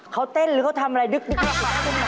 เขาเต้นหรือเขาทำอะไรดึกอยู่ใต้ต้นไม้